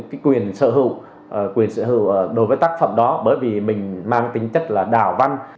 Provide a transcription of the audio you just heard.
cũng không được đăng ký quyền sở hữu đối với tác phẩm đó bởi vì mình mang tính chất là đảo văn